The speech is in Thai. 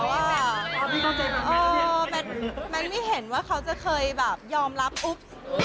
ไม่แปลกมันไม่เห็นว่าเขาจะเคยยอมรับอุ๊ป